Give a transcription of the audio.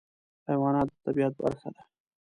حیوانات د طبیعت برخه ده.